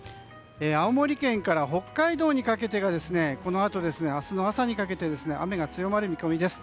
青森県から北海道にかけてがこのあと明日の朝にかけて雨が強まる見込みです。